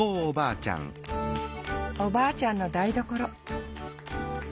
おばあちゃんの台所